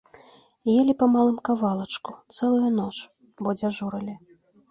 Елі па малым кавалачку цэлую ноч, бо дзяжурылі.